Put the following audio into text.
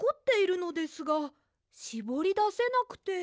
しぼりだせなくて。